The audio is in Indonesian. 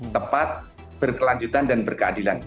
tepat berkelanjutan dan berkeadilan